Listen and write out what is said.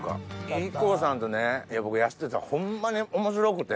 ＩＫＫＯさんとね僕やっててホンマに面白くて。